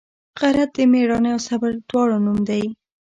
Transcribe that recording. غیرت د میړانې او صبر دواړو نوم دی